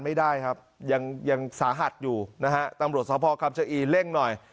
ไม่ได้ครับยังยังสาหัสอยู่นะฮะตำรวจสภคำชะอีเร่งหน่อย